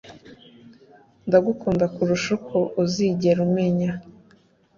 ndagukunda kurusha uko uzigera umenya